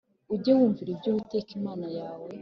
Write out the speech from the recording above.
Ujye wumvira ibyo Uwiteka Imana yawe